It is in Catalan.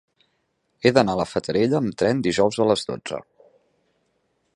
He d'anar a la Fatarella amb tren dijous a les dotze.